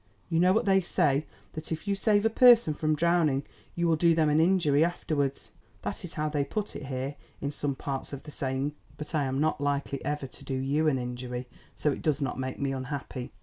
You know what they say, that if you save a person from drowning you will do them an injury afterwards. That is how they put it here; in some parts the saying is the other way about, but I am not likely ever to do you an injury, so it does not make me unhappy.